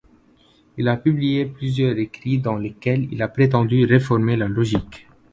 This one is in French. Il a publié plusieurs écrits dans lesquels il a prétendu réformer la logique.